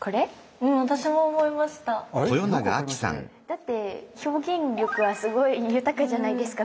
だって表現力がすごい豊かじゃないですか